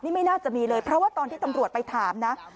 นี่ไม่น่าจะมีเลยเพราะว่าตอนที่ตำรวจไปถามนะ